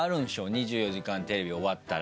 『２４時間テレビ』終わったら。